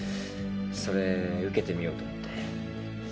それ受けてみようと思って。